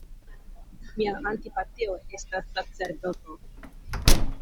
Mia antipatio estas sacerdoto.